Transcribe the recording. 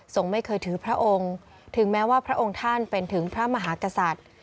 ไม่เคยถือพระองค์ถึงแม้ว่าพระองค์ท่านเป็นถึงพระมหากษัตริย์